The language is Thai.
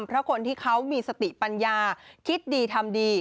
เพราะคนที่เขามีสติปัญญาคิดดีทำดี